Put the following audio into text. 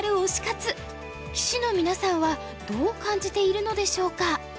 棋士の皆さんはどう感じているのでしょうか？